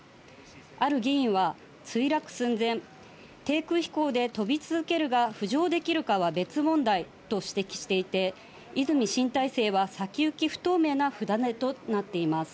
ある議員は、墜落寸前、低空飛行で飛び続けるが、浮上できるかは別問題と指摘していて、泉新体制は先行き不透明な船出となっています。